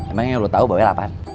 emang lu tahu bawel apaan